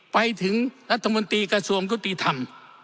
ไปถึงรัฐมนตรีกระทรวงยุติธรรม